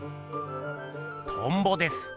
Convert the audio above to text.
トンボです。